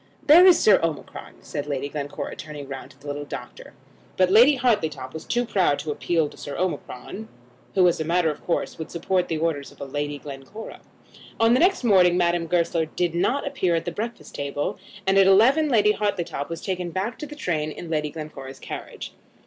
"There is Sir Omicron," said Lady Glencora, turning round to the little doctor. But Lady Hartletop was too proud to appeal to Sir Omicron, who, as a matter of course, would support the orders of Lady Glencora. On the next morning Madame Goesler did not appear at the breakfast table, and at eleven Lady Hartletop was taken back to the train in Lady Glencora's carriage.